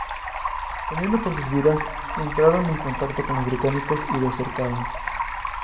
Temiendo por sus vidas, entraron en contacto con los Británicos y desertaron.